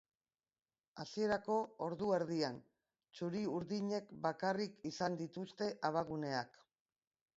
Hasierako ordu erdian, txuri-urdinek bakarrik izan dituzte abaguneak.